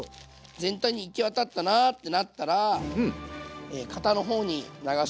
全体に行き渡ったなってなったら型の方に流し入れていきます。